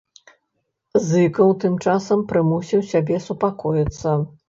Зыкаў тым часам прымусіў сябе супакоіцца.